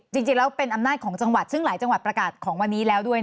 จริงแล้วเป็นอำนาจของจังหวัดซึ่งหลายจังหวัดประกาศของวันนี้แล้วด้วย